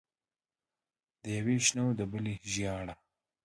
د یوې شنه او د بلې ژېړه.